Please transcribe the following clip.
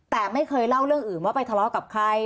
แต่ไม่เคยเล่าเรื่องอื่นว่าไปทะเลาะกับใคร